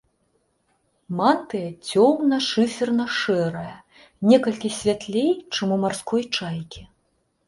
Мантыя цёмна шыферна-шэрая, некалькі святлей, чым у марской чайкі.